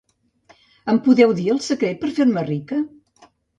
Em podeu dir el secret per fer-me rica?